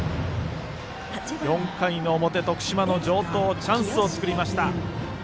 ４回の表、徳島の城東チャンスを作りました。